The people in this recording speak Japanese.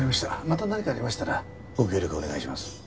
また何かありましたらご協力お願いします。